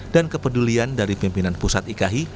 dan kepedulian dari pimpinan pusat ikahi